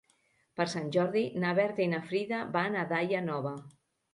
Per Sant Jordi na Berta i na Frida van a Daia Nova.